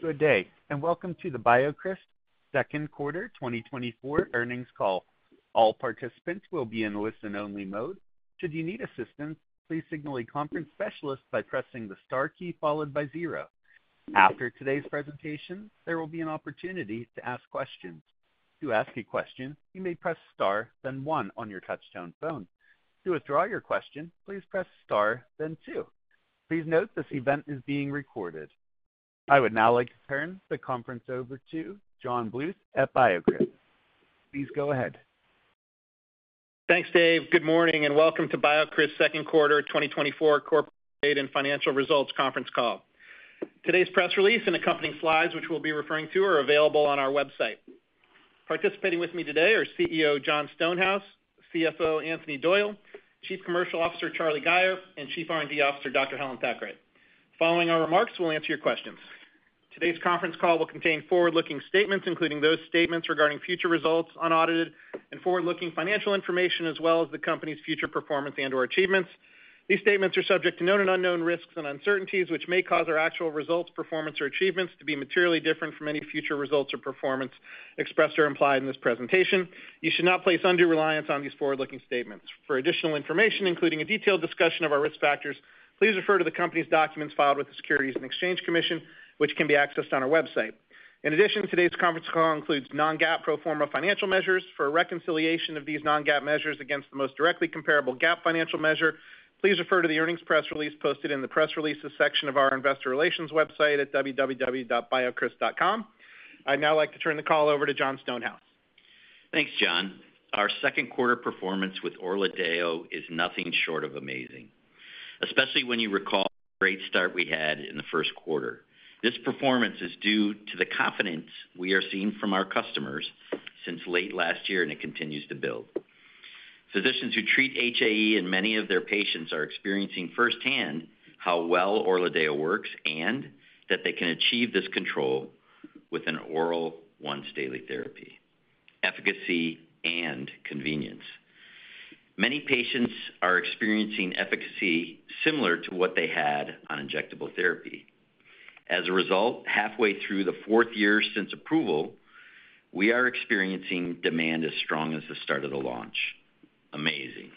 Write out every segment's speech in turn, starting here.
Good day, and welcome to the BioCryst Second Quarter 2024 earnings call. All participants will be in listen-only mode. Should you need assistance, please signal a conference specialist by pressing the star key followed by zero. After today's presentation, there will be an opportunity to ask questions. To ask a question, you may press star, then one on your touchtone phone. To withdraw your question, please press star, then two. Please note, this event is being recorded. I would now like to turn the conference over to John Bluth at BioCryst. Please go ahead. Thanks, Dave. Good morning, and welcome to BioCryst's second quarter 2024 corporate and financial results conference call. Today's press release and accompanying slides, which we'll be referring to, are available on our website. Participating with me today are CEO, Jon Stonehouse, CFO, Anthony Doyle, Chief Commercial Officer, Charlie Gayer, and Chief R&D Officer, Dr. Helen Thackray. Following our remarks, we'll answer your questions. Today's conference call will contain forward-looking statements, including those statements regarding future results, unaudited and forward-looking financial information, as well as the company's future performance and/or achievements. These statements are subject to known and unknown risks and uncertainties, which may cause our actual results, performance, or achievements to be materially different from any future results or performance expressed or implied in this presentation. You should not place undue reliance on these forward-looking statements. For additional information, including a detailed discussion of our risk factors, please refer to the company's documents filed with the Securities and Exchange Commission, which can be accessed on our website. In addition, today's conference call includes non-GAAP pro forma financial measures. For a reconciliation of these non-GAAP measures against the most directly comparable GAAP financial measure, please refer to the earnings press release posted in the Press Releases section of our investor relations website at www.biocryst.com. I'd now like to turn the call over to Jon Stonehouse. Thanks, John. Our second quarter performance with ORLADEYO is nothing short of amazing, especially when you recall the great start we had in the first quarter. This performance is due to the confidence we are seeing from our customers since late last year, and it continues to build. Physicians who treat HAE and many of their patients are experiencing firsthand how well ORLADEYO works, and that they can achieve this control with an oral once-daily therapy, efficacy and convenience. Many patients are experiencing efficacy similar to what they had on injectable therapy. As a result, halfway through the fourth year since approval, we are experiencing demand as strong as the start of the launch. Amazing!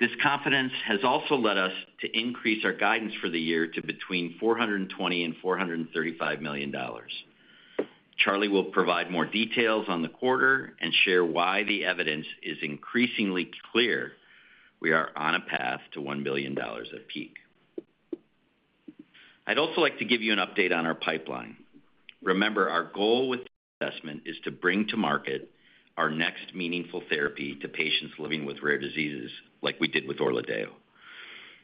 This confidence has also led us to increase our guidance for the year to between $420 million and $435 million. Charlie will provide more details on the quarter and share why the evidence is increasingly clear we are on a path to $1 billion at peak. I'd also like to give you an update on our pipeline. Remember, our goal with investment is to bring to market our next meaningful therapy to patients living with rare diseases, like we did with ORLADEYO.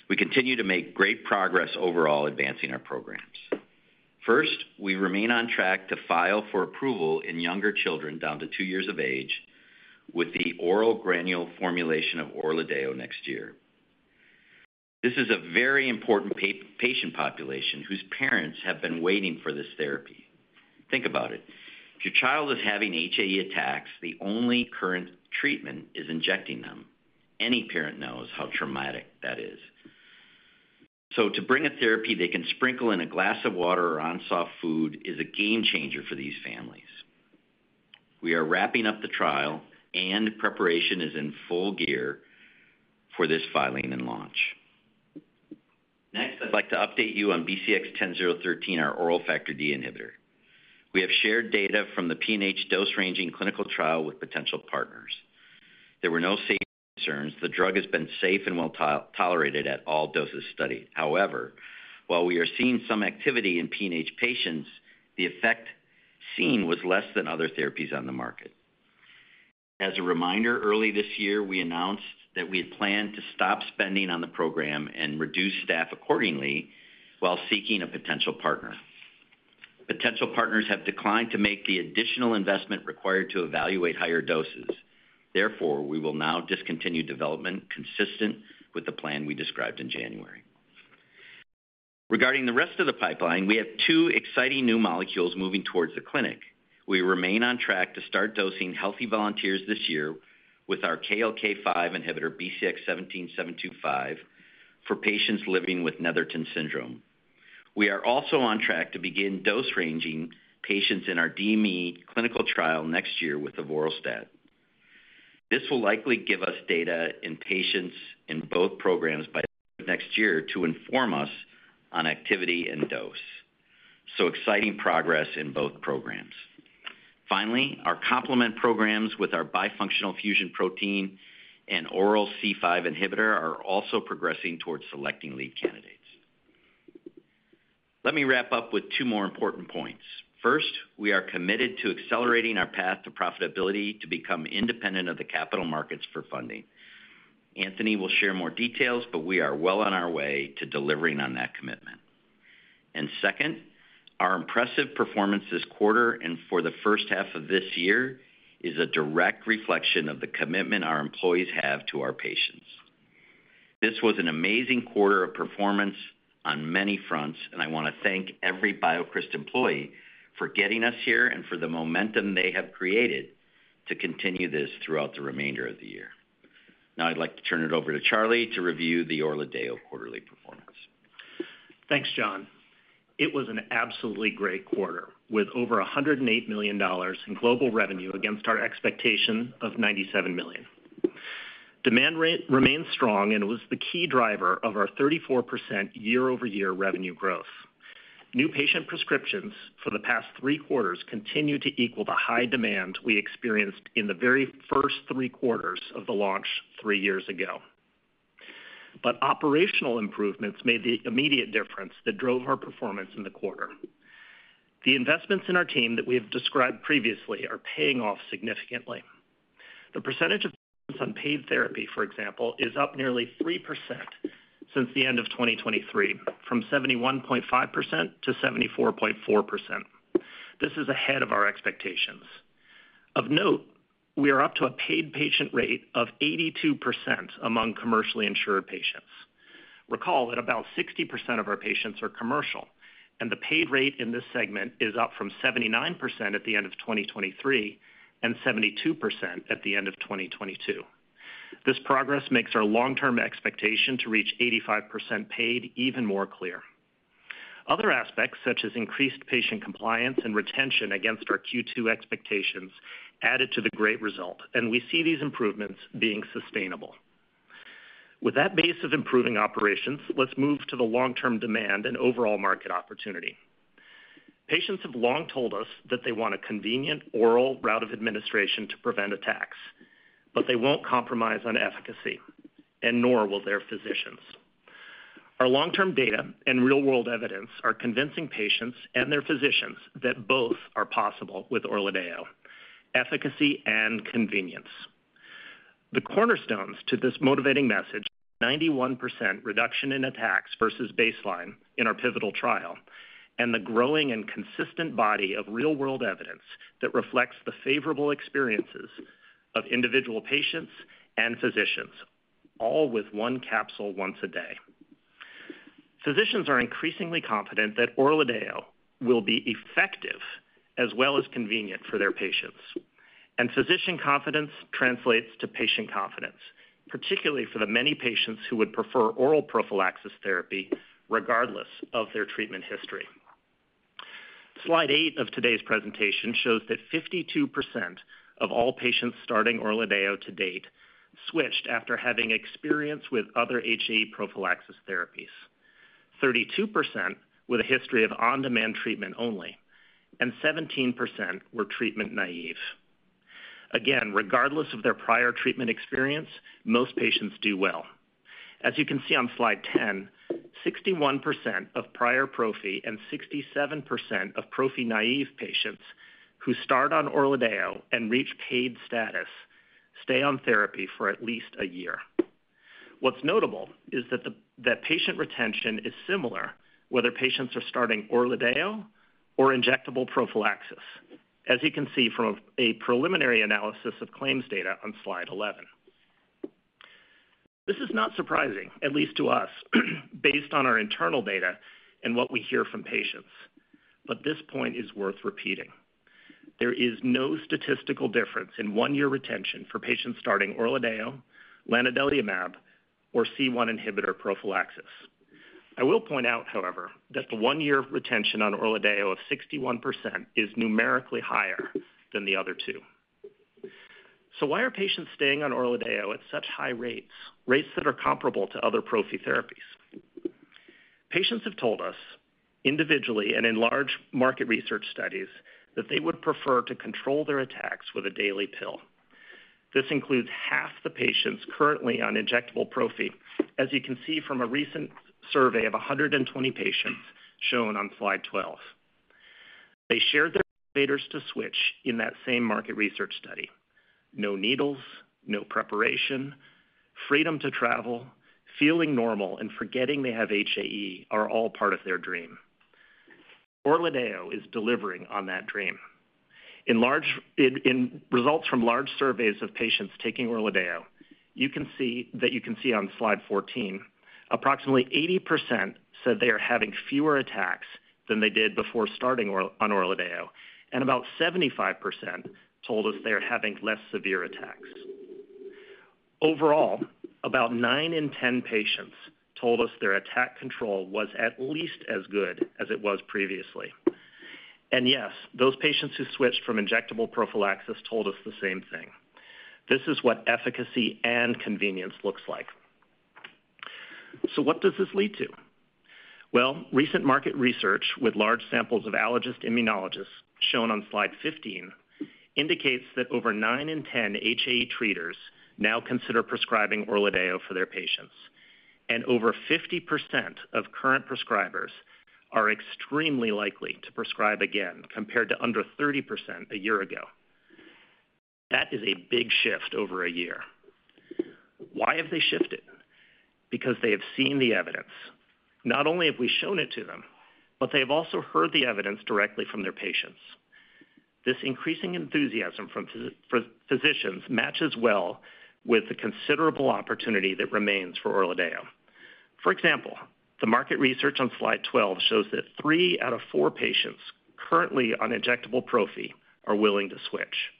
We continue to make great progress overall, advancing our programs. First, we remain on track to file for approval in younger children down to two years of age with the oral granule formulation of ORLADEYO next year. This is a very important patient population whose parents have been waiting for this therapy. Think about it. If your child is having HAE attacks, the only current treatment is injecting them. Any parent knows how traumatic that is. So to bring a therapy they can sprinkle in a glass of water or on soft food is a game changer for these families. We are wrapping up the trial, and preparation is in full gear for this filing and launch. Next, I'd like to update you on BCX10013, our oral Factor D inhibitor. We have shared data from the PNH dose-ranging clinical trial with potential partners. There were no safety concerns. The drug has been safe and well-tolerated at all doses studied. However, while we are seeing some activity in PNH patients, the effect seen was less than other therapies on the market. As a reminder, early this year, we announced that we had planned to stop spending on the program and reduce staff accordingly while seeking a potential partner. Potential partners have declined to make the additional investment required to evaluate higher doses. Therefore, we will now discontinue development consistent with the plan we described in January. Regarding the rest of the pipeline, we have two exciting new molecules moving towards the clinic. We remain on track to start dosing healthy volunteers this year with our KLK5 inhibitor, BCX17725, for patients living with Netherton syndrome. We are also on track to begin dose-ranging patients in our DME clinical trial next year with avoralstat. This will likely give us data in patients in both programs by next year to inform us on activity and dose. So exciting progress in both programs. Finally, our complement programs with our bifunctional fusion protein and oral C5 inhibitor are also progressing towards selecting lead candidates. Let me wrap up with two more important points. First, we are committed to accelerating our path to profitability to become independent of the capital markets for funding. Anthony will share more details, but we are well on our way to delivering on that commitment. And second, our impressive performance this quarter and for the first half of this year is a direct reflection of the commitment our employees have to our patients. This was an amazing quarter of performance on many fronts, and I want to thank every BioCryst employee for getting us here and for the momentum they have created to continue this throughout the remainder of the year. Now I'd like to turn it over to Charlie to review the ORLADEYO quarterly performance. Thanks, John. It was an absolutely great quarter, with over $108 million in global revenue against our expectation of $97 million. Demand rate remained strong and was the key driver of our 34% year-over-year revenue growth. New patient prescriptions for the past three quarters continue to equal the high demand we experienced in the very first three quarters of the launch three years ago. Operational improvements made the immediate difference that drove our performance in the quarter. The investments in our team that we have described previously are paying off significantly. The percentage of patients on paid therapy, for example, is up nearly 3% since the end of 2023, from 71.5%-74.4%. This is ahead of our expectations. Of note, we are up to a paid patient rate of 82% among commercially insured patients. Recall that about 60% of our patients are commercial, and the paid rate in this segment is up from 79% at the end of 2023 and 72% at the end of 2022. This progress makes our long-term expectation to reach 85% paid even more clear. Other aspects, such as increased patient compliance and retention against our Q2 expectations, added to the great result, and we see these improvements being sustainable. With that base of improving operations, let's move to the long-term demand and overall market opportunity. Patients have long told us that they want a convenient oral route of administration to prevent attacks, but they won't compromise on efficacy, and nor will their physicians. Our long-term data and real-world evidence are convincing patients and their physicians that both are possible with ORLADEYO, efficacy and convenience. The cornerstones to this motivating message, 91% reduction in attacks versus baseline in our pivotal trial, and the growing and consistent body of real-world evidence that reflects the favorable experiences of individual patients and physicians, all with one capsule once a day. Physicians are increasingly confident that ORLADEYO will be effective as well as convenient for their patients, and physician confidence translates to patient confidence, particularly for the many patients who would prefer oral prophylaxis therapy regardless of their treatment history. Slide eight of today's presentation shows that 52% of all patients starting ORLADEYO to date switched after having experience with other HAE prophylaxis therapies. 32% with a history of on-demand treatment only, and 17% were treatment naive. Again, regardless of their prior treatment experience, most patients do well. As you can see on slide 10, 61% of prior prophy and 67% of prophy-naive patients who start on ORLADEYO and reach paid status stay on therapy for at least a year. What's notable is that patient retention is similar whether patients are starting ORLADEYO or injectable prophylaxis, as you can see from a preliminary analysis of claims data on slide 11. This is not surprising, at least to us, based on our internal data and what we hear from patients, but this point is worth repeating. There is no statistical difference in one-year retention for patients starting ORLADEYO, lanadelumab, or C1 inhibitor prophylaxis. I will point out, however, that the one-year retention on ORLADEYO of 61% is numerically higher than the other two. So why are patients staying on ORLADEYO at such high rates, rates that are comparable to other prophy therapies? Patients have told us, individually and in large market research studies, that they would prefer to control their attacks with a daily pill. This includes half the patients currently on injectable prophy, as you can see from a recent survey of 120 patients shown on slide 12. They shared their motivators to switch in that same market research study. No needles, no preparation, freedom to travel, feeling normal, and forgetting they have HAE are all part of their dream. ORLADEYO is delivering on that dream. In results from large surveys of patients taking ORLADEYO, you can see on slide 14, approximately 80% said they are having fewer attacks than they did before starting on ORLADEYO, and about 75% told us they are having less severe attacks. Overall, about nine in 10 patients told us their attack control was at least as good as it was previously. And yes, those patients who switched from injectable prophylaxis told us the same thing. This is what efficacy and convenience looks like. So what does this lead to? Well, recent market research with large samples of allergist immunologists, shown on slide 15, indicates that over nine in 10 HAE treaters now consider prescribing ORLADEYO for their patients, and over 50% of current prescribers are extremely likely to prescribe again, compared to under 30% a year ago. That is a big shift over a year. Why have they shifted? Because they have seen the evidence. Not only have we shown it to them, but they have also heard the evidence directly from their patients. This increasing enthusiasm from physicians matches well with the considerable opportunity that remains for ORLADEYO. For example, the market research on slide 12 shows that three out of four patients currently on injectable prophy are willing to switch.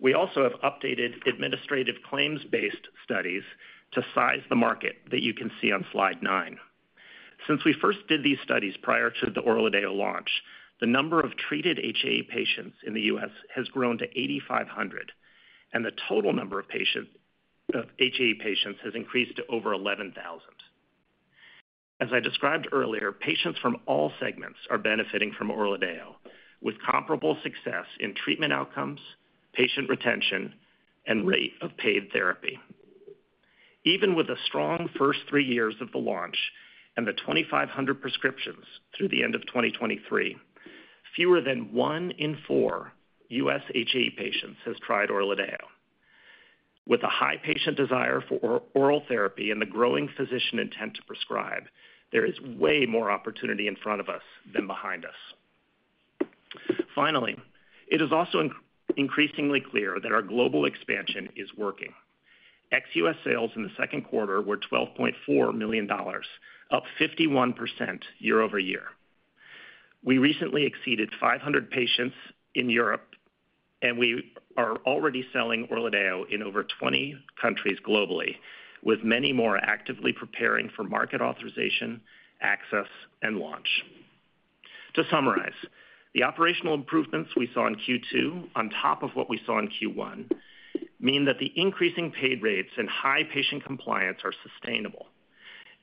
We also have updated administrative claims-based studies to size the market that you can see on slide nine. Since we first did these studies prior to the ORLADEYO launch, the number of treated HAE patients in the U.S. has grown to 8,500, and the total number of HAE patients has increased to over 11,000. As I described earlier, patients from all segments are benefiting from ORLADEYO, with comparable success in treatment outcomes, patient retention, and rate of paid therapy. Even with a strong first three years of the launch and the 2,500 prescriptions through the end of 2023, fewer than one in four U.S. HA patients has tried ORLADEYO. With a high patient desire for oral therapy and the growing physician intent to prescribe, there is way more opportunity in front of us than behind us. Finally, it is also increasingly clear that our global expansion is working. Ex-U.S. sales in the second quarter were $12.4 million, up 51% year-over-year. We recently exceeded 500 patients in Europe, and we are already selling ORLADEYO in over 20 countries globally, with many more actively preparing for market authorization, access, and launch. To summarize, the operational improvements we saw in Q2, on top of what we saw in Q1, mean that the increasing paid rates and high patient compliance are sustainable,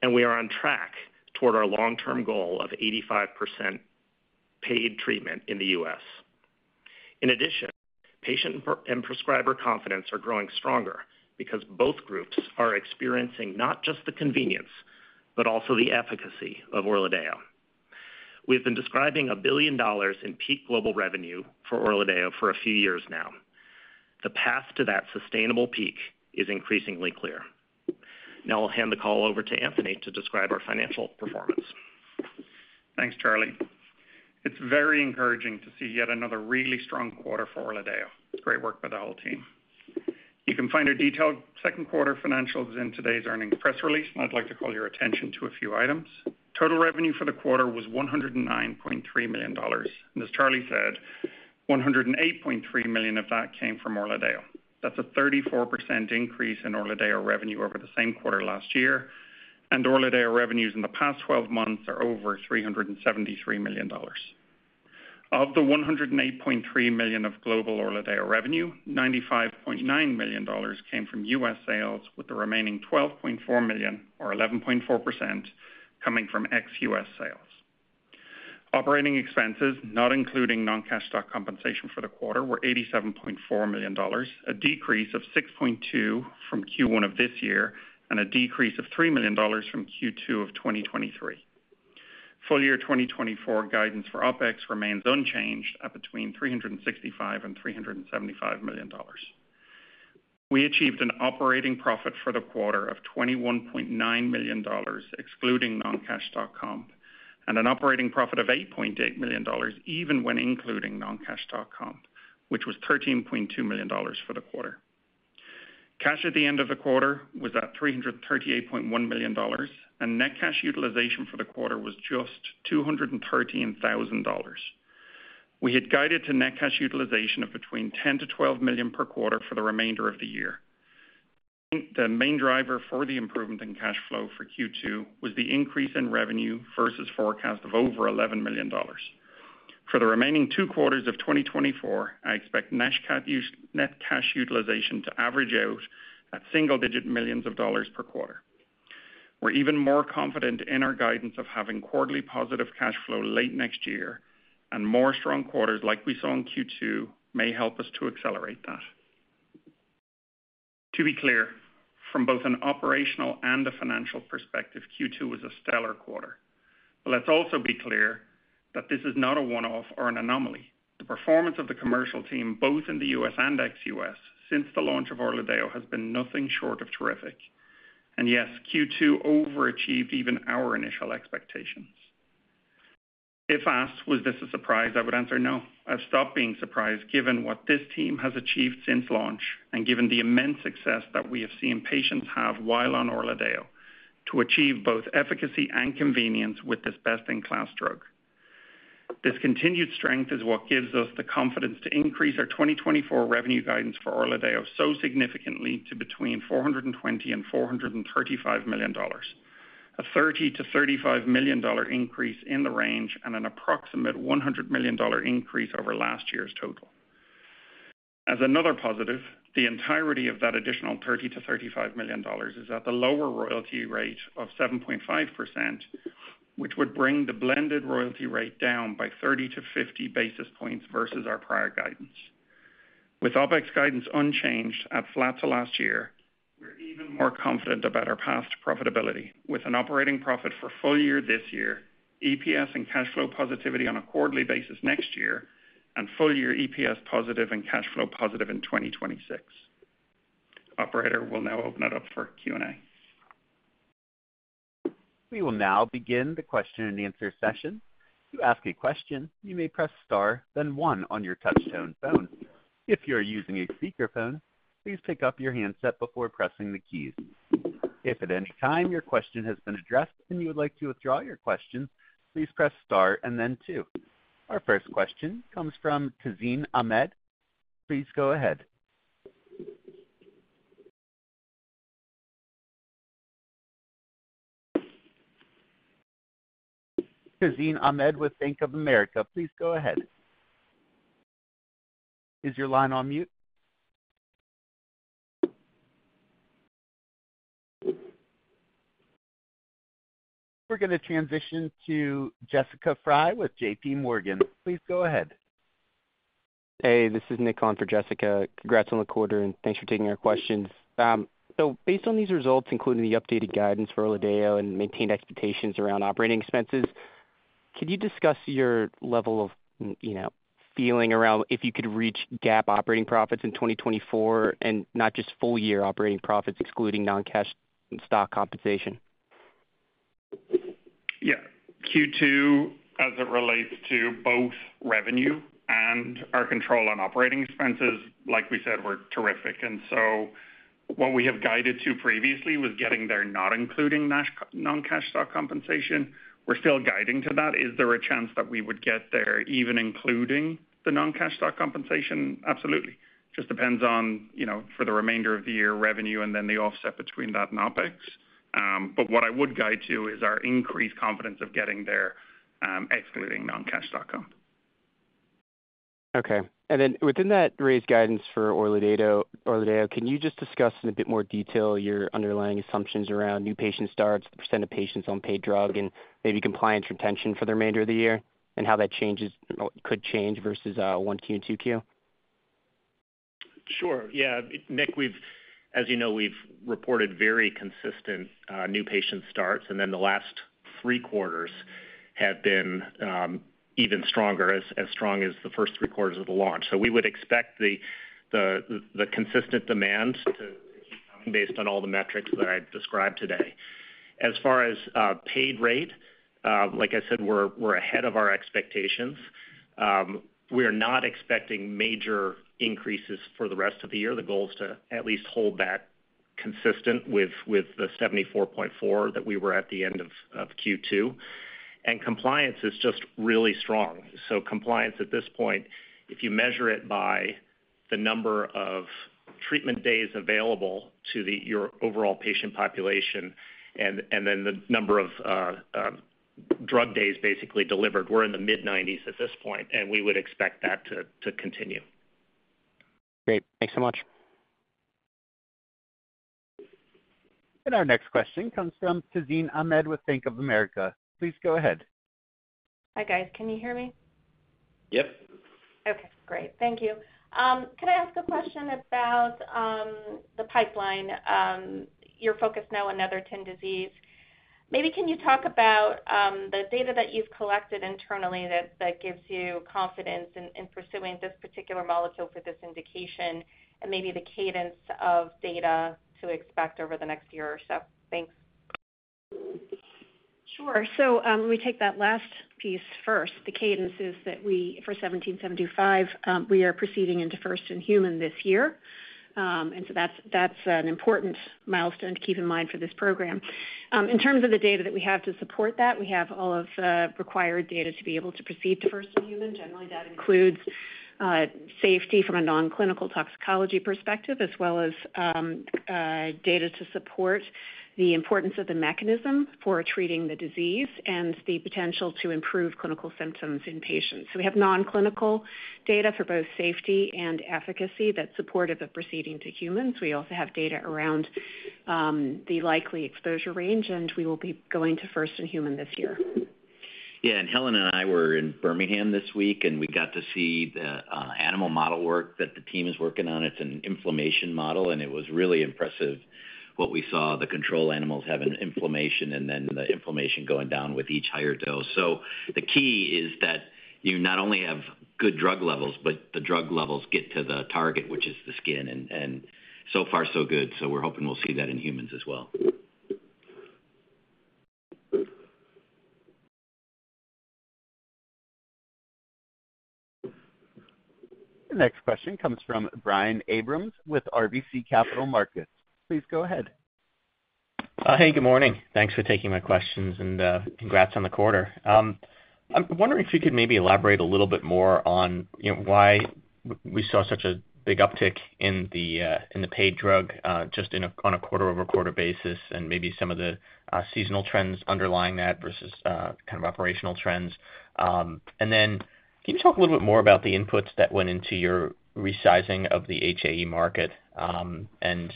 and we are on track toward our long-term goal of 85% paid treatment in the U.S. In addition, patient and prescriber confidence are growing stronger because both groups are experiencing not just the convenience, but also the efficacy of ORLADEYO. We've been describing $1 billion in peak global revenue for ORLADEYO for a few years now. The path to that sustainable peak is increasingly clear. Now I'll hand the call over to Anthony to describe our financial performance. Thanks, Charlie. It's very encouraging to see yet another really strong quarter for ORLADEYO. Great work by the whole team. You can find our detailed second quarter financials in today's earnings press release, and I'd like to call your attention to a few items. Total revenue for the quarter was $109.3 million, and as Charlie said, $108.3 million of that came from ORLADEYO. That's a 34% increase in ORLADEYO revenue over the same quarter last year, and ORLADEYO revenues in the past 12 months are over $373 million. Of the $108.3 million of global ORLADEYO revenue, $95.9 million came from U.S. sales, with the remaining $12.4 million, or 11.4%, coming from ex-U.S. sales. Operating expenses, not including non-cash stock compensation for the quarter, were $87.4 million, a decrease of $6.2 million from Q1 of this year and a decrease of $3 million from Q2 of 2023. Full year 2024 guidance for OpEx remains unchanged at between $365 million and $375 million. We achieved an operating profit for the quarter of $21.9 million, excluding non-cash stock comp, and an operating profit of $8.8 million, even when including non-cash stock comp, which was $13.2 million for the quarter. Cash at the end of the quarter was at $338.1 million, and net cash utilization for the quarter was just $213,000. We had guided to net cash utilization of between $10 million-$12 million per quarter for the remainder of the year. The main driver for the improvement in cash flow for Q2 was the increase in revenue versus forecast of over $11 million. For the remaining two quarters of 2024, I expect net cash utilization to average out at single-digit millions of dollars per quarter. We're even more confident in our guidance of having quarterly positive cash flow late next year, and more strong quarters like we saw in Q2 may help us to accelerate that. To be clear, from both an operational and a financial perspective, Q2 was a stellar quarter. But let's also be clear that this is not a one-off or an anomaly. The performance of the commercial team, both in the U.S. and ex-U.S., since the launch of ORLADEYO, has been nothing short of terrific. And yes, Q2 overachieved even our initial expectations. If asked, "Was this a surprise?" I would answer, "No." I've stopped being surprised given what this team has achieved since launch, and given the immense success that we have seen patients have while on ORLADEYO, to achieve both efficacy and convenience with this best-in-class drug. This continued strength is what gives us the confidence to increase our 2024 revenue guidance for ORLADEYO so significantly to between $420 million and $435 million, a $30 million-$35 million increase in the range and an approximate $100 million increase over last year's total. As another positive, the entirety of that additional $30 million-$35 million is at the lower royalty rate of 7.5%, which would bring the blended royalty rate down by 30-50 basis points versus our prior guidance. With OpEx guidance unchanged at flat to last year, we're even more confident about our past profitability with an operating profit for full year this year, EPS and cash flow positivity on a quarterly basis next year, and full year EPS positive and cash flow positive in 2026. Operator, we'll now open it up for Q&A. We will now begin the question-and-answer session. To ask a question, you may press star, then one on your touchtone phone. If you are using a speakerphone, please pick up your handset before pressing the keys. If at any time your question has been addressed and you would like to withdraw your question, please press star and then two. Our first question comes from Tazeen Ahmad. Please go ahead. Tazeen Ahmad with Bank of America, please go ahead. Is your line on mute? We're going to transition to Jessica Fye with JPMorgan. Please go ahead. Hey, this is Nick on for Jessica. Congrats on the quarter, and thanks for taking our questions. So based on these results, including the updated guidance for ORLADEYO and maintained expectations around operating expenses, could you discuss your level of, you know, feeling around if you could reach GAAP operating profits in 2024 and not just full year operating profits, excluding non-cash and stock compensation? Yeah. Q2, as it relates to both revenue and our control on operating expenses, like we said, were terrific. And so what we have guided to previously was getting there, not including non-cash stock compensation. We're still guiding to that. Is there a chance that we would get there, even including the non-cash stock compensation? Absolutely. Just depends on, you know, for the remainder of the year, revenue, and then the offset between that and OpEx. But what I would guide to is our increased confidence of getting there, excluding non-cash stock comp. Okay. And then within that raised guidance for ORLADEYO, ORLADEYO, can you just discuss in a bit more detail your underlying assumptions around new patient starts, the percent of patients on paid drug, and maybe compliance retention for the remainder of the year, and how that changes versus 1Q and 2Q? Sure. Yeah, Nick, we've, as you know, we've reported very consistent new patient starts, and then the last three quarters have been even stronger, as strong as the first three quarters of the launch. So we would expect the consistent demand to keep coming based on all the metrics that I've described today. As far as paid rate, like I said, we're ahead of our expectations. We are not expecting major increases for the rest of the year. The goal is to at least hold that consistent with the 74.4 that we were at the end of Q2. And compliance is just really strong. So compliance at this point, if you measure it by the number of treatment days available to your overall patient population and then the number of drug days basically delivered, we're in the mid-90s at this point, and we would expect that to continue. Great. Thanks so much. Our next question comes from Tazeen Ahmad with Bank of America. Please go ahead. Hi, guys. Can you hear me? Yep. Okay, great. Thank you. Can I ask a question about the pipeline, your focus now on Netherton disease? Maybe can you talk about the data that you've collected internally that gives you confidence in pursuing this particular molecule for this indication and maybe the cadence of data to expect over the next year or so? Thanks. Sure. So, let me take that last piece first. The cadence is that we, for 17725, we are proceeding into first in human this year. And so that's, that's an important milestone to keep in mind for this program. In terms of the data that we have to support that, we have all of the required data to be able to proceed to first in human. Generally, that includes safety from a non-clinical toxicology perspective, as well as data to support the importance of the mechanism for treating the disease and the potential to improve clinical symptoms in patients. So we have non-clinical data for both safety and efficacy that's supportive of proceeding to humans. We also have data around the likely exposure range, and we will be going to first in human this year. Yeah, and Helen and I were in Birmingham this week, and we got to see the animal model work that the team is working on. It's an inflammation model, and it was really impressive what we saw, the control animals having inflammation and then the inflammation going down with each higher dose. So the key is that you not only have good drug levels, but the drug levels get to the target, which is the skin, and so far so good. So we're hoping we'll see that in humans as well. The next question comes from Brian Abrahams with RBC Capital Markets. Please go ahead. Hey, good morning. Thanks for taking my questions, and congrats on the quarter. I'm wondering if you could maybe elaborate a little bit more on, you know, why we saw such a big uptick in the paid drug, just on a quarter-over-quarter basis, and maybe some of the seasonal trends underlying that versus kind of operational trends. And then can you talk a little bit more about the inputs that went into your resizing of the HAE market? And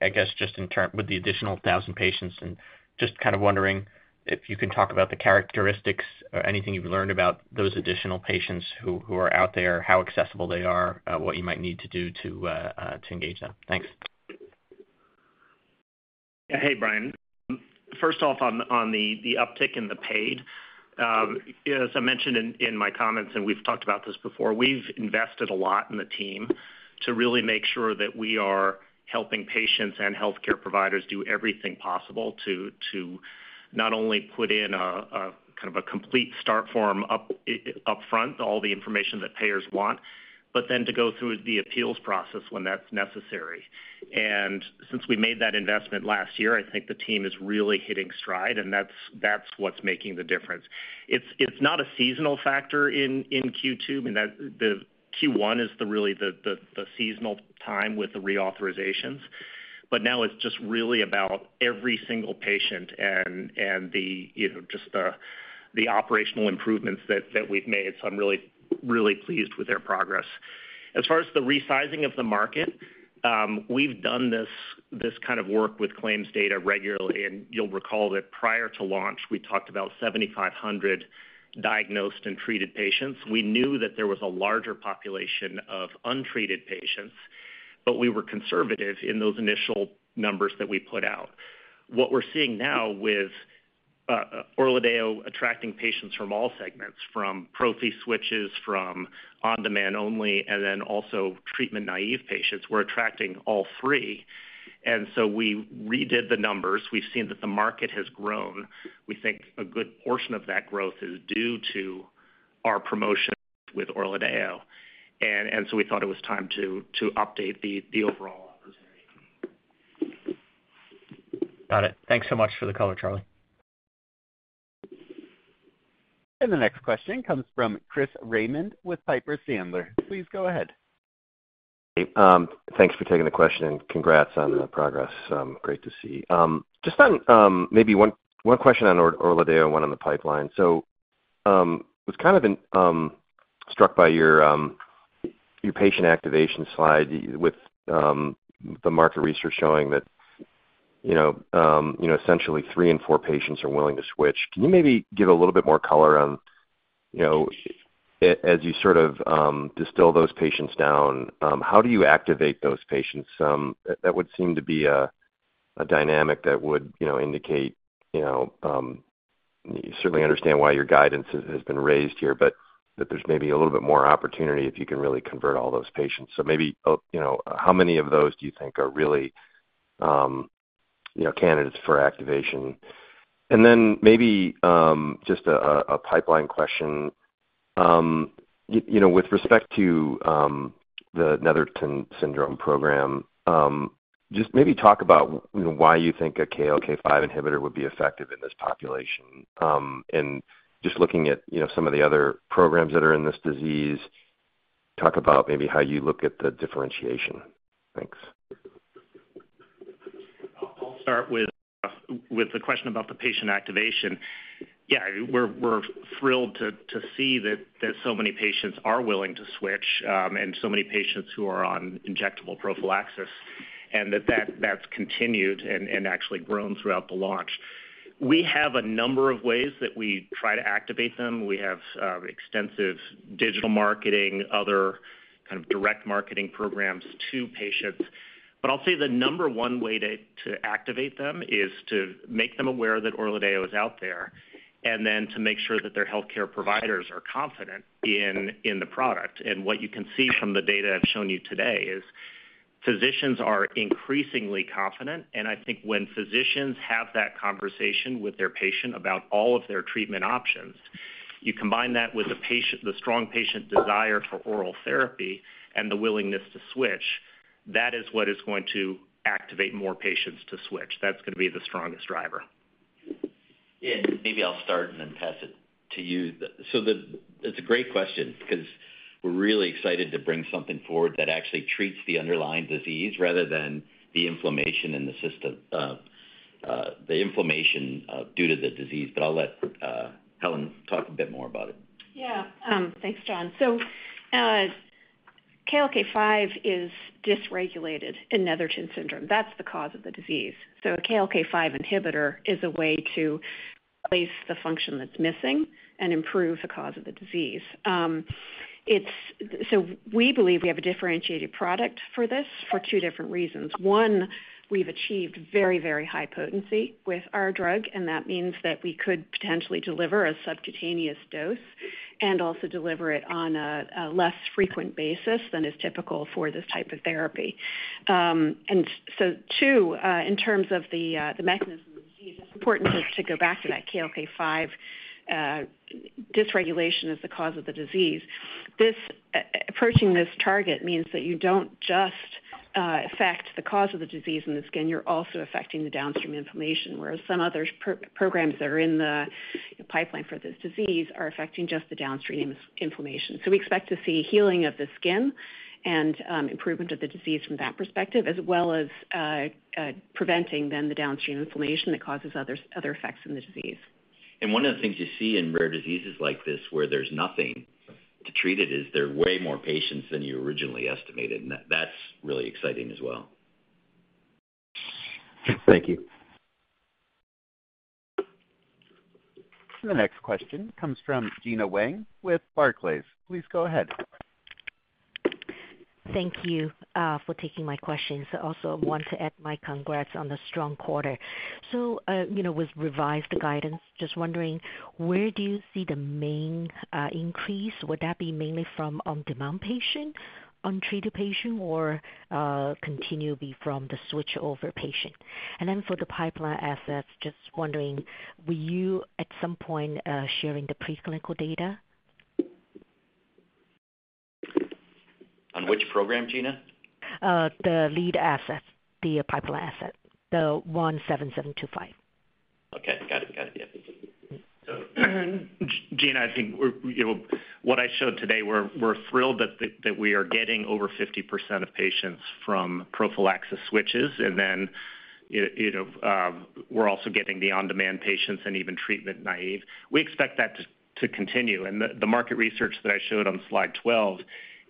I guess, just in terms with the additional 1,000 patients, and just kind of wondering if you can talk about the characteristics or anything you've learned about those additional patients who are out there, how accessible they are, what you might need to do to engage them? Thanks. Hey, Brian. First off, on the uptick in the paid. As I mentioned in my comments, and we've talked about this before, we've invested a lot in the team to really make sure that we are helping patients and healthcare providers do everything possible to not only put in a kind of a complete start form up front, all the information that payers want, but then to go through the appeals process when that's necessary. And since we made that investment last year, I think the team is really hitting stride, and that's what's making the difference. It's not a seasonal factor in Q2, I mean, that Q1 is really the seasonal time with the reauthorizations. But now it's just really about every single patient and the, you know, just the operational improvements that we've made. So I'm really, really pleased with their progress. As far as the resizing of the market, we've done this kind of work with claims data regularly, and you'll recall that prior to launch, we talked about 7,500 diagnosed and treated patients. We knew that there was a larger population of untreated patients, but we were conservative in those initial numbers that we put out. What we're seeing now with ORLADEYO attracting patients from all segments, from prophy switches, from on-demand only, and then also treatment-naive patients, we're attracting all three. And so we redid the numbers. We've seen that the market has grown. We think a good portion of that growth is due to our promotion with ORLADEYO, and so we thought it was time to update the overall opportunity. Got it. Thanks so much for the color, Charlie. The next question comes from Chris Raymond with Piper Sandler. Please go ahead. Hey, thanks for taking the question, and congrats on the progress. Great to see. Just on, maybe one question on ORLADEYO, one on the pipeline. So, was kind of struck by your patient activation slide with the market research showing that, you know, you know, essentially 3 in 4 patients are willing to switch. Can you maybe give a little bit more color on, you know, as you sort of distill those patients down, how do you activate those patients? That would seem to be a dynamic that would, you know, indicate, you know, you certainly understand why your guidance has been raised here, but that there's maybe a little bit more opportunity if you can really convert all those patients. So maybe, you know, how many of those do you think are really, you know, candidates for activation? And then maybe, just a pipeline question. You know, with respect to, the Netherton Syndrome program, just maybe talk about, you know, why you think a KLK5 inhibitor would be effective in this population. And just looking at, you know, some of the other programs that are in this disease, talk about maybe how you look at the differentiation. Thanks. I'll start with the question about the patient activation. Yeah, we're, we're thrilled to, to see that, that so many patients are willing to switch, and so many patients who are on injectable prophylaxis, and that, that's continued and, and actually grown throughout the launch. We have a number of ways that we try to activate them. We have, extensive digital marketing, other kind of direct marketing programs to patients. But I'll say the number one way to, to activate them is to make them aware that ORLADEYO is out there, and then to make sure that their healthcare providers are confident in, in the product. What you can see from the data I've shown you today is physicians are increasingly confident, and I think when physicians have that conversation with their patient about all of their treatment options, you combine that with the strong patient desire for oral therapy and the willingness to switch, that is what is going to activate more patients to switch. That's going to be the strongest driver. Yeah, maybe I'll start and then pass it to you. So, it's a great question because we're really excited to bring something forward that actually treats the underlying disease rather than the inflammation in the system, the inflammation due to the disease. But I'll let Helen talk a bit more about it. Yeah. Thanks, John. So, KLK5 is dysregulated in Netherton syndrome. That's the cause of the disease. So a KLK5 inhibitor is a way to replace the function that's missing and improve the cause of the disease. So we believe we have a differentiated product for this for two different reasons. One, we've achieved very, very high potency with our drug, and that means that we could potentially deliver a subcutaneous dose and also deliver it on a less frequent basis than is typical for this type of therapy. And so two, in terms of the mechanism of the disease, it's important to go back to that KLK5, dysregulation is the cause of the disease. This approaching this target means that you don't just affect the cause of the disease in the skin, you're also affecting the downstream inflammation, whereas some other programs that are in the pipeline for this disease are affecting just the downstream inflammation. So we expect to see healing of the skin and improvement of the disease from that perspective, as well as preventing then the downstream inflammation that causes other effects in the disease. One of the things you see in rare diseases like this, where there's nothing to treat it, is there are way more patients than you originally estimated, and that—that's really exciting as well. Thank you. The next question comes from Gena Wang with Barclays. Please go ahead. Thank you for taking my questions. Also want to add my congrats on the strong quarter. So, you know, with revised guidance, just wondering, where do you see the main increase? Would that be mainly from on-demand patient, untreated patient, or continue be from the switchover patient? And then for the pipeline assets, just wondering, will you at some point sharing the preclinical data? On which program, Gena? The lead asset, the pipeline asset, the 17725. Okay, got it. Got it. Yeah. So, Gena, I think we're, you know, what I showed today, we're thrilled that we are getting over 50% of patients from prophylaxis switches, and then you know, we're also getting the on-demand patients and even treatment naive. We expect that to continue. And the market research that I showed on slide 12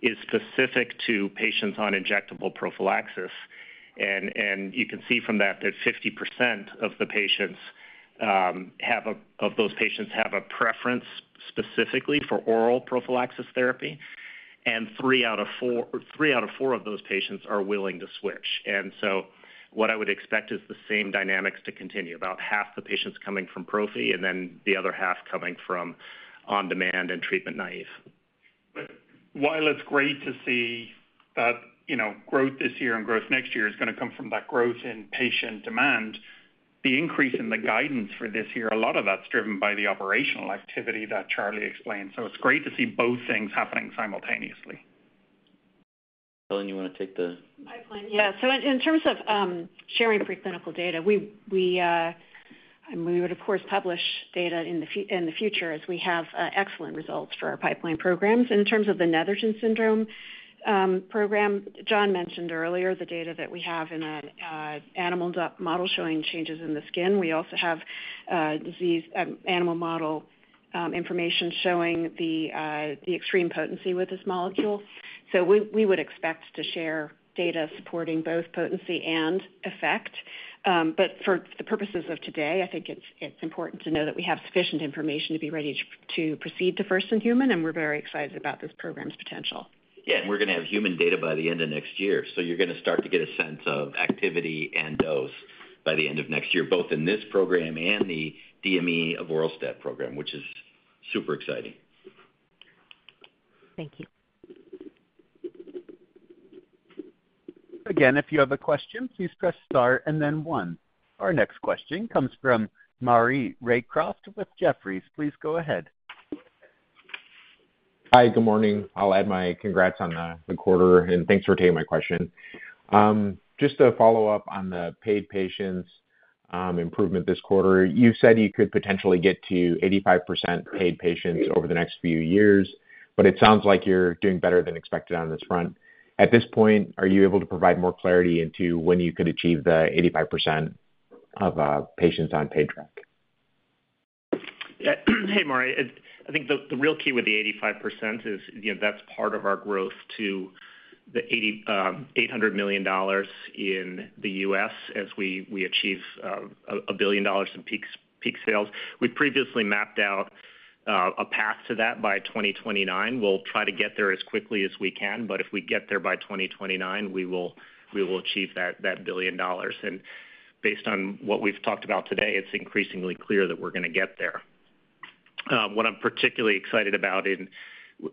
is specific to patients on injectable prophylaxis. And you can see from that, that 50% of the patients have a preference specifically for oral prophylaxis therapy, and three out of four of those patients are willing to switch. And so what I would expect is the same dynamics to continue. About half the patients coming from prophy and then the other half coming from on-demand and treatment naive. While it's great to see that, you know, growth this year and growth next year is gonna come from that growth in patient demand, the increase in the guidance for this year, a lot of that's driven by the operational activity that Charlie explained. So it's great to see both things happening simultaneously. Helen, you wanna take the. Pipeline? Yeah. So in terms of sharing preclinical data, we would, of course, publish data in the future as we have excellent results for our pipeline programs. In terms of the Netherton syndrome program, John mentioned earlier the data that we have in an animal model showing changes in the skin. We also have disease animal model information showing the extreme potency with this molecule. So we would expect to share data supporting both potency and effect. But for the purposes of today, I think it's important to know that we have sufficient information to be ready to proceed to first-in-human, and we're very excited about this program's potential. Yeah, and we're gonna have human data by the end of next year. So you're gonna start to get a sense of activity and dose by the end of next year, both in this program and the DME Avoralstat program, which is super exciting. Thank you. Again, if you have a question, please press star and then One. Our next question comes from Maury Raycroft with Jefferies. Please go ahead. Hi, good morning. I'll add my congrats on the, the quarter, and thanks for taking my question. Just to follow up on the paid patients, improvement this quarter. You said you could potentially get to 85% paid patients over the next few years, but it sounds like you're doing better than expected on this front. At this point, are you able to provide more clarity into when you could achieve the 85% of patients on paid track? Yeah. Hey, Maury. I think the real key with the 85% is, you know, that's part of our growth to the $800 million in the U.S. as we achieve a $1 billion in peak sales. We previously mapped out a path to that by 2029. We'll try to get there as quickly as we can, but if we get there by 2029, we will achieve that $1 billion. And based on what we've talked about today, it's increasingly clear that we're gonna get there. What I'm particularly excited about in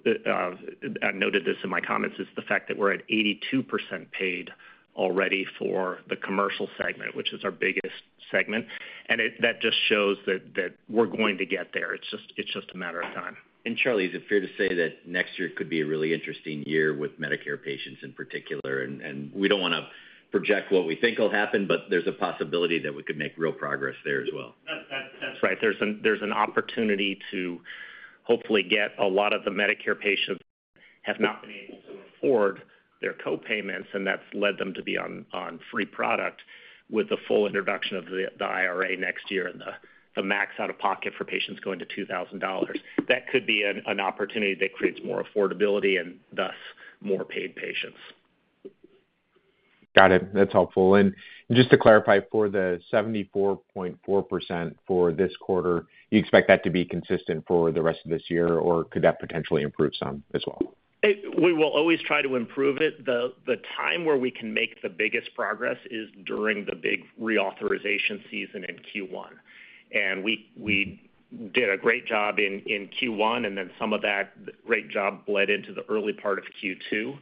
I noted this in my comments, is the fact that we're at 82% paid already for the commercial segment, which is our biggest segment. And that just shows that we're going to get there. It's just, it's just a matter of time. Charlie, is it fair to say that next year could be a really interesting year with Medicare patients in particular? And we don't wanna project what we think will happen, but there's a possibility that we could make real progress there as well. That's right. There's an opportunity to hopefully get a lot of the Medicare patients have not been able to afford their co-payments, and that's led them to be on free product with the full introduction of the IRA next year, and the max out-of-pocket for patients going to $2,000. That could be an opportunity that creates more affordability and thus more paid patients. Got it. That's helpful. Just to clarify, for the 74.4% for this quarter, do you expect that to be consistent for the rest of this year, or could that potentially improve some as well? We will always try to improve it. The time where we can make the biggest progress is during the big reauthorization season in Q1. And we did a great job in Q1, and then some of that great job bled into the early part of Q2.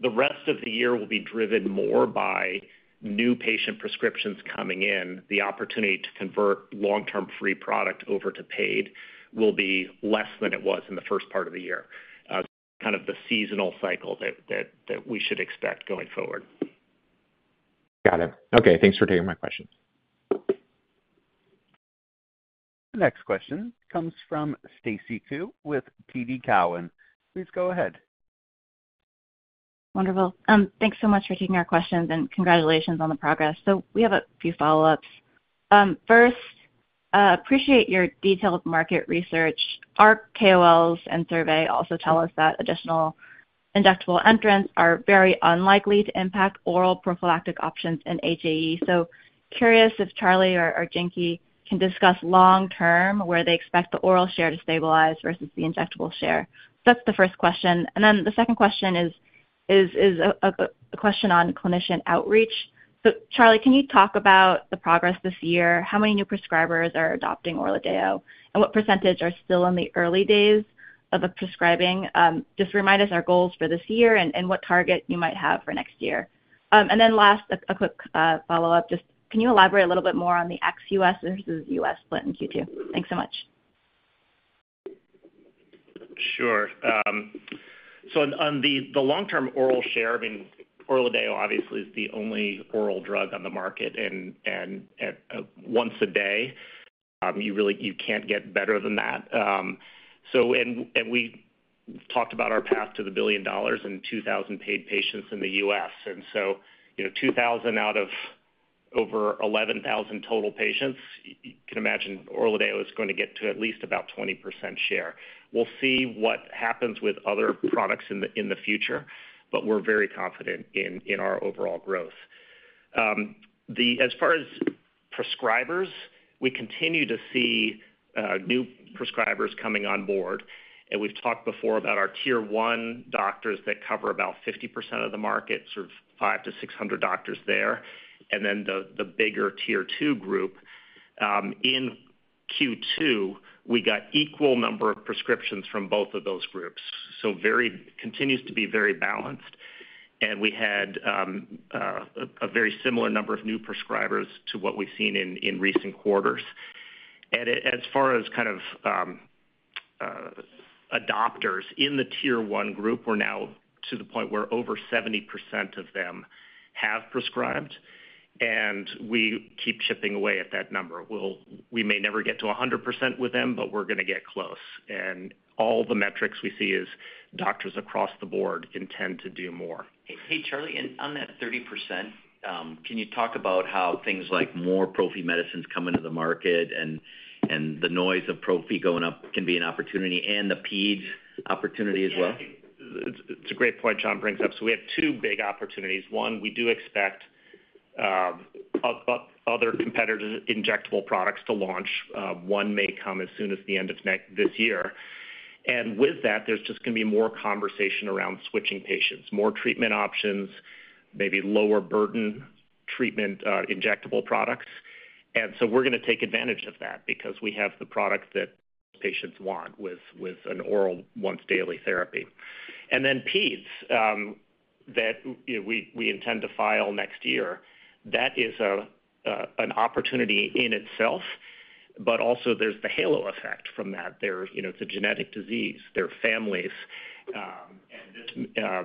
The rest of the year will be driven more by new patient prescriptions coming in. The opportunity to convert long-term free product over to paid will be less than it was in the first part of the year. Kind of the seasonal cycle that we should expect going forward. Got it. Okay, thanks for taking my questions. The next question comes from Stacy Ku with TD Cowen. Please go ahead. Wonderful. Thanks so much for taking our questions, and congratulations on the progress. We have a few follow-ups. First, appreciate your detailed market research. Our KOLs and survey also tell us that additional injectable entrants are very unlikely to impact oral prophylactic options in HAE. Curious if Charlie or, or Jinky can discuss long term, where they expect the oral share to stabilize versus the injectable share? That's the first question. And then the second question is a question on clinician outreach. So Charlie, can you talk about the progress this year? How many new prescribers are adopting ORLADEYO, and what percentage are still in the early days of a prescribing? Just remind us our goals for this year and what target you might have for next year. And then last, a quick follow-up. Just can you elaborate a little bit more on the ex-U.S. versus U.S. split in Q2? Thanks so much. Sure. So on, on the, the long-term oral share, I mean, ORLADEYO obviously is the only oral drug on the market, and, and, once a day, you really, you can't get better than that. So and, and we talked about our path to $1 billion and 2,000 paid patients in the U.S. And so, you know, 2,000 out of over 11,000 total patients, you can imagine ORLADEYO is going to get to at least about 20% share. We'll see what happens with other products in the, in the future, but we're very confident in, in our overall growth. As far as prescribers, we continue to see new prescribers coming on board, and we've talked before about our tier one doctors that cover about 50% of the market, sort of 500-600 doctors there, and then the bigger tier two group. In Q2, we got equal number of prescriptions from both of those groups, so very, continues to be very balanced. And we had a very similar number of new prescribers to what we've seen in recent quarters. And as far as kind of adopters in the tier one group, we're now to the point where over 70% of them have prescribed, and we keep chipping away at that number. We'll we may never get to 100% with them, but we're gonna get close. All the metrics we see is doctors across the board intend to do more. Hey, Charlie, and on that 30%, can you talk about how things like more prophy medicines come into the market and, and the noise of prophy going up can be an opportunity and the peds opportunity as well? It's a great point John brings up. So we have two big opportunities. One, we do expect other competitive injectable products to launch. One may come as soon as the end of next, this year. And with that, there's just gonna be more conversation around switching patients, more treatment options, maybe lower burden treatment, injectable products. And so we're gonna take advantage of that because we have the product that patients want, with an oral once-daily therapy. And then peds, that, you know, we intend to file next year. That is an opportunity in itself, but also there's the halo effect from that. There, you know, it's a genetic disease, their families, and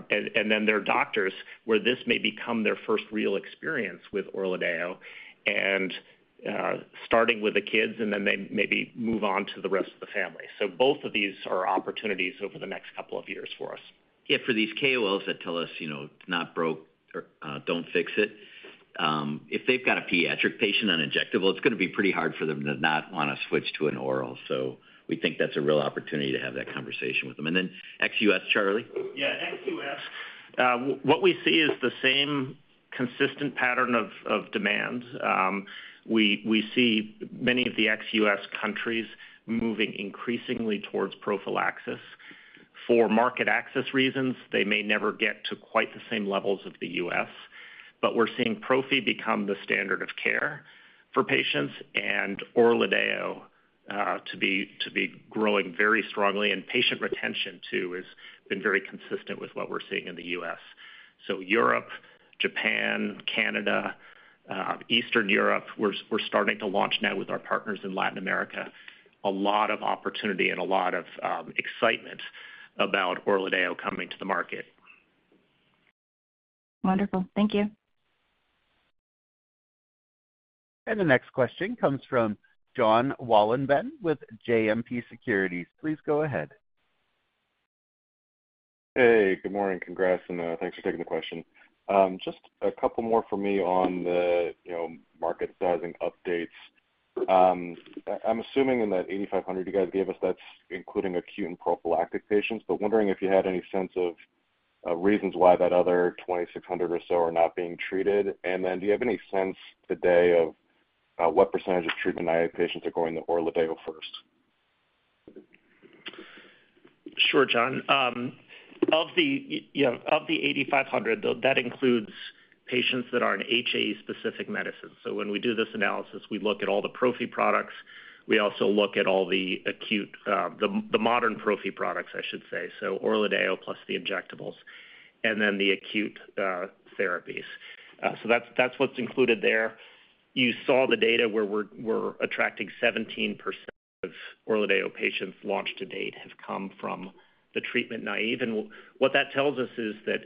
this, and then their doctors, where this may become their first real experience with ORLADEYO, and starting with the kids, and then they maybe move on to the rest of the family. So both of these are opportunities over the next couple of years for us. Yeah, for these KOLs that tell us, you know, if not broke or don't fix it, if they've got a pediatric patient on injectable, it's gonna be pretty hard for them to not want to switch to an oral. So we think that's a real opportunity to have that conversation with them. And then ex-U.S., Charlie? Yeah, ex-U.S. What we see is the same consistent pattern of, of demand. We, we see many of the ex-U.S. countries moving increasingly towards prophylaxis. For market access reasons, they may never get to quite the same levels of the U.S., but we're seeing prophy become the standard of care for patients and ORLADEYO to be, to be growing very strongly, and patient retention, too, has been very consistent with what we're seeing in the US. So Europe, Japan, Canada, Eastern Europe, we're, we're starting to launch now with our partners in Latin America. A lot of opportunity and a lot of excitement about ORLADEYO coming to the market. Wonderful. Thank you. The next question comes from Jon Wolleben with JMP Securities. Please go ahead. Hey, good morning. Congrats, and, thanks for taking the question. Just a couple more for me on the, you know, market sizing updates. I'm assuming in that 8,500 you guys gave us, that's including acute and prophylactic patients, but wondering if you had any sense of, reasons why that other 2,600 or so are not being treated. And then do you have any sense today of, what percentage of treatment-naive patients are going to ORLADEYO first? Sure, John. Of the 8,500, though, that includes patients that are on HAE-specific medicines. So when we do this analysis, we look at all the prophy products. We also look at all the acute, the modern prophy products, I should say. So ORLADEYO plus the injectables and then the acute therapies. So that's what's included there. You saw the data where we're attracting 17% of ORLADEYO patients launched to date have come from the treatment-naive. And what that tells us is that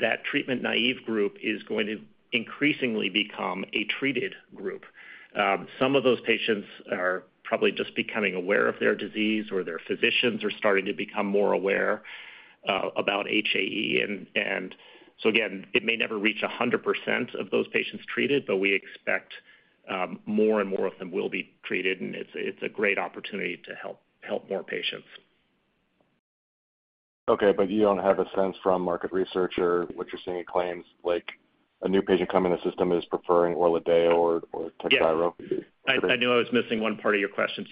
that treatment-naive group is going to increasingly become a treated group. Some of those patients are probably just becoming aware of their disease, or their physicians are starting to become more aware about HAE. And so again, it may never reach 100% of those patients treated, but we expect more and more of them will be treated, and it's a great opportunity to help more patients. Okay, but you don't have a sense from market research or what you're seeing in claims, like a new patient coming to system is preferring ORLADEYO or, or Takhzyro? Yeah, I knew I was missing one part of your question.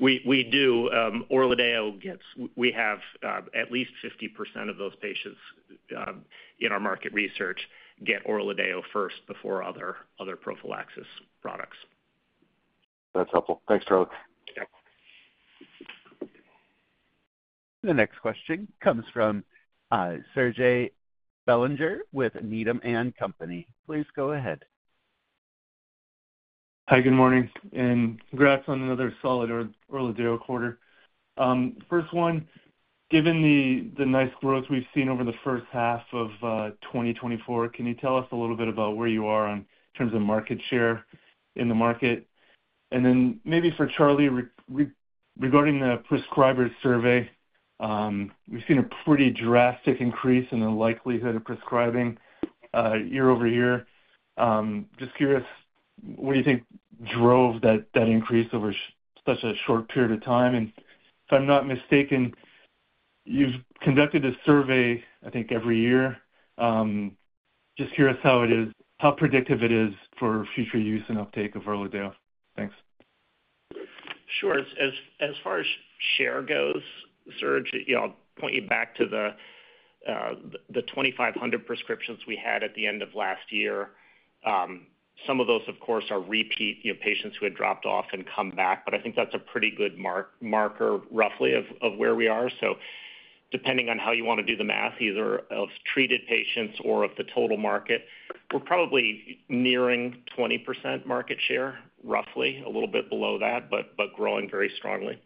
We do, ORLADEYO gets-- we have at least 50% of those patients in our market research get ORLADEYO first before other prophylaxis products. That's helpful. Thanks, Charles. Yeah. The next question comes from, Serge Belanger with Needham & Company. Please go ahead. Hi, good morning, and congrats on another solid ORLADEYO quarter. First one, given the nice growth we've seen over the first half of 2024, can you tell us a little bit about where you are in terms of market share in the market? And then maybe for Charlie, regarding the prescriber survey, we've seen a pretty drastic increase in the likelihood of prescribing year-over-year. Just curious, what do you think drove that increase over such a short period of time? And if I'm not mistaken, you've conducted this survey, I think, every year. Just curious how it is how predictive it is for future use and uptake of ORLADEYO. Thanks. Sure. As far as share goes, Serge, you know, I'll point you back to the 2,500 prescriptions we had at the end of last year. Some of those, of course, are repeat, you know, patients who had dropped off and come back, but I think that's a pretty good marker, roughly, of where we are. So depending on how you want to do the math, either of treated patients or of the total market, we're probably nearing 20% market share, roughly, a little bit below that, but growing very strongly.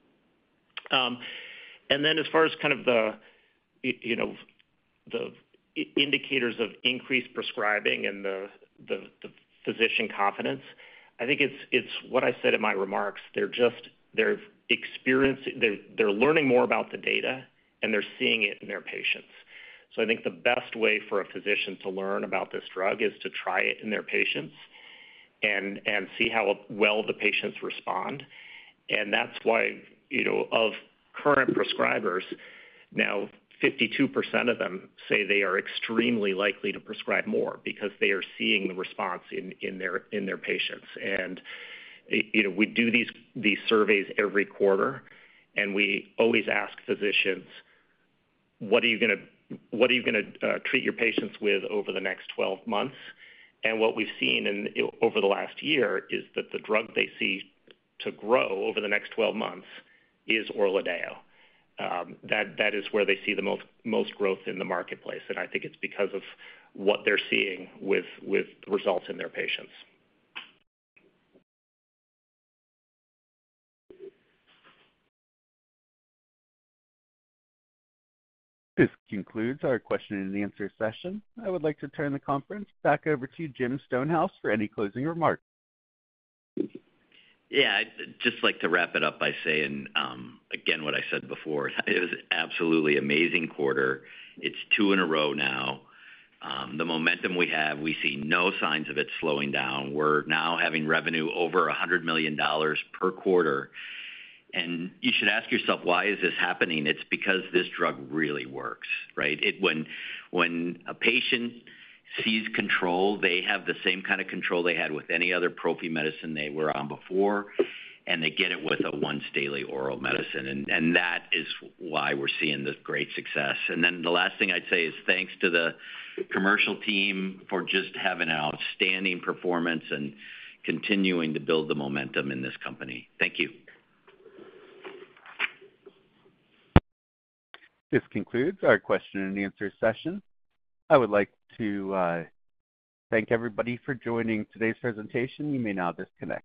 And then as far as kind of the, you know, the indicators of increased prescribing and the physician confidence, I think it's what I said in my remarks, they're just—they're experiencing. They're learning more about the data, and they're seeing it in their patients. So I think the best way for a physician to learn about this drug is to try it in their patients and see how well the patients respond. And that's why, you know, of current prescribers, now 52% of them say they are extremely likely to prescribe more because they are seeing the response in their patients. And you know, we do these surveys every quarter, and we always ask physicians, "What are you gonna treat your patients with over the next 12 months?" And what we've seen over the last year is that the drug they see to grow over the next 12 months is ORLADEYO. That is where they see the most growth in the marketplace, and I think it's because of what they're seeing with results in their patients. This concludes our question and answer session. I would like to turn the conference back over to Jon Stonehouse for any closing remarks. Yeah, I'd just like to wrap it up by saying, again, what I said before, it was an absolutely amazing quarter. It's two in a row now. The momentum we have, we see no signs of it slowing down. We're now having revenue over $100 million per quarter, and you should ask yourself, why is this happening? It's because this drug really works, right? It, when, when a patient sees control, they have the same kind of control they had with any other prophy medicine they were on before, and they get it with a once daily oral medicine, and, and that is why we're seeing this great success. And then the last thing I'd say is, thanks to the commercial team for just having an outstanding performance and continuing to build the momentum in this company. Thank you. This concludes our question and answer session. I would like to thank everybody for joining today's presentation. You may now disconnect.